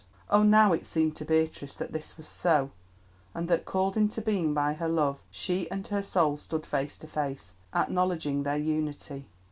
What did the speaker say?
Oh, now it seemed to Beatrice that this was so, and that called into being by her love she and her soul stood face to face acknowledging their unity.